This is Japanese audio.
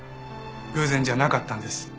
偶然じゃなかったんです。